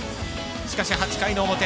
しかし、８回の表。